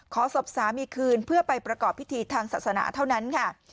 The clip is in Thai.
ศพสามีคืนเพื่อไปประกอบพิธีทางศาสนาเท่านั้นค่ะ